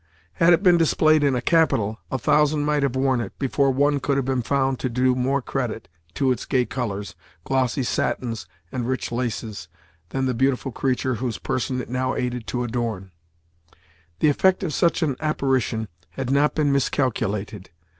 Had it been displayed in a capital, a thousand might have worn it, before one could have been found to do more credit to its gay colours, glossy satins, and rich laces, than the beautiful creature whose person it now aided to adorn. The effect of such an apparition had not been miscalculated.